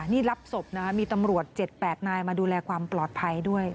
นี่รับศพนะมีตำรวจ๗๘นายมาดูแลความปลอดภัยด้วย